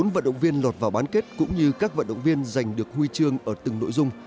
bốn vận động viên lọt vào bán kết cũng như các vận động viên giành được huy chương ở từng nội dung